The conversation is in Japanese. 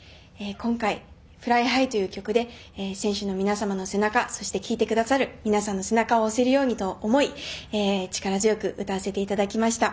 今回「ＦｌｙＨｉｇｈ」という曲で選手の皆様の背中そして聴いてくださる皆さんの背中を押せるようにと思い力強く歌わせていただきました。